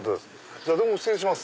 じゃあどうも失礼します。